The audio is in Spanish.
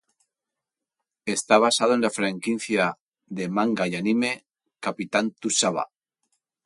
Está basado en la franquicia de manga y anime "Captain Tsubasa".